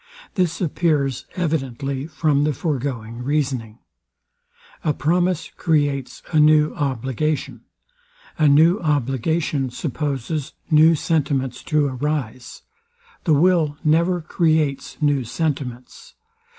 This appears evidently from the foregoing reasoning. A promise creates a new obligation. A new obligation supposes new sentiments to arise. The will never creates new sentiments.